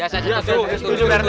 setuju pak rt